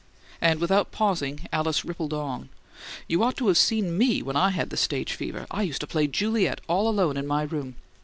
And without pausing Alice rippled on, "You ought to have seen ME when I had the stage fever! I used to play 'Juliet' all alone in my room.'